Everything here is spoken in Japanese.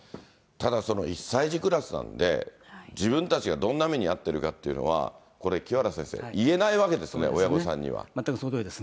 ただ、１歳児クラスなんで、自分たちがどんな目に遭ってるかっていうのは、これ、清原先生、言えないわけですね、全くそのとおりですね。